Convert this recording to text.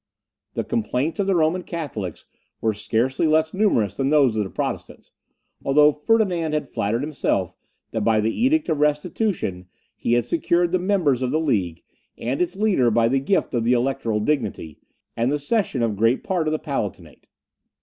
The complaints of the Roman Catholics were scarcely less numerous than those of the Protestants, although Ferdinand had flattered himself that by the Edict of Restitution he had secured the members of the League, and its leader by the gift of the electoral dignity, and the cession of great part of the Palatinate.